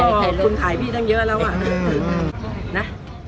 ก็คุณขายพี่ตั้งเยอะแล้วอ่ะนะ